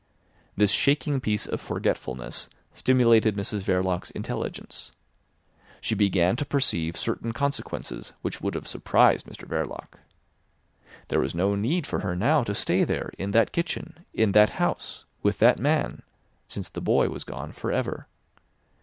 This shaking piece of forgetfulness stimulated Mrs Verloc's intelligence. She began to perceive certain consequences which would have surprised Mr Verloc. There was no need for her now to stay there, in that kitchen, in that house, with that man—since the boy was gone for ever.